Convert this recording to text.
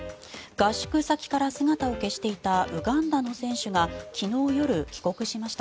合宿先から姿を消していたウガンダの選手が昨日夜、帰国しました。